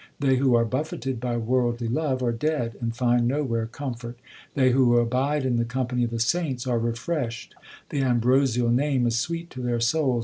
They who are buffeted by worldly love are dead, And find nowhere comfort. They who abide in the company of the saints are re freshed ; The ambrosial Name is sweet to their souls.